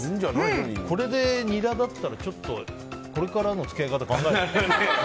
これでニラだったらちょっとこれからの付き合い方考えるよね。